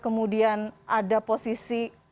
kemudian ada posisi